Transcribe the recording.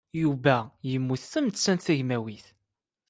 Yuba yemmut tamettant tagmawit.